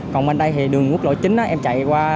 còn bên đây thì đường quốc lộ chín em chạy qua